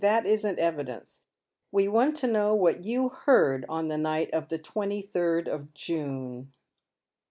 That isn't evidence. We want to know what you heard on the night of the 23rd of June."